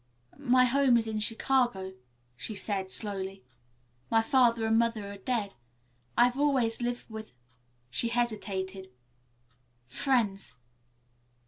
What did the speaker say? "My home is in Chicago," she said slowly. "My father and mother are dead. I have always lived with" she hesitated "friends.